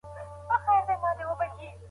تجربه ذهني نقش جوړوي.